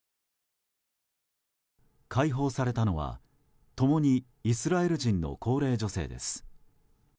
解放されたのは共にイスラエル人の高齢女性です。